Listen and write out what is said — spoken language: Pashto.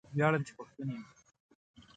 ویاړم چې پښتون یم